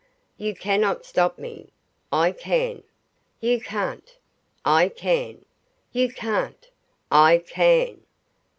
"You cannot stop me." "I can." "You can't." "I can." "You can't." "I can."